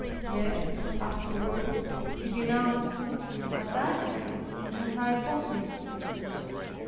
Yet afterward he denounced it as artifice and hypocrisy.